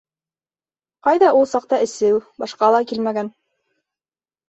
Ҡайҙа ул саҡта эсеү, башҡа ла килмәгән.